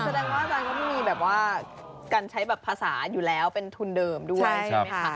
แสดงว่าอาจารย์เขาไม่มีแบบว่าการใช้แบบภาษาอยู่แล้วเป็นทุนเดิมด้วยใช่ไหมคะ